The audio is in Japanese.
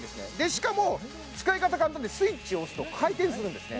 しかも使い方簡単でスイッチ押すと回転するんですね